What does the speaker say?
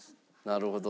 なるほど。